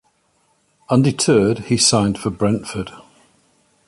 Undeterred, he signed for Brentford.